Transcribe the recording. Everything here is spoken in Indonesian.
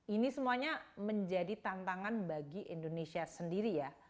ini semuanya menjadi tantangan bagi indonesia sendiri ya